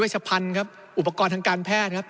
วิเวชพันธุ์ครับอุปกรณ์ทางการแพทย์ครับ